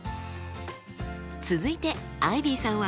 続いてアイビーさんは？